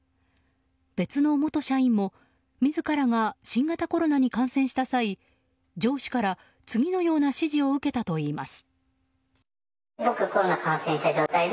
別の元社員も自らが新型コロナに感染した際上司から次のような指示を受けたといいます。